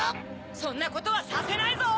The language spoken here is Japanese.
そんなことはさせないぞ！